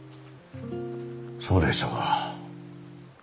そうでしたか。